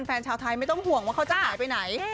แฟนชาวไทยไม่ต้องห่วงว่าเขาจะหายไปไหน